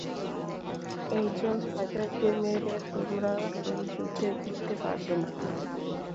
একজন হায়দারকে মেরে তোমরা এই যুদ্ধে জিততে পারবে না।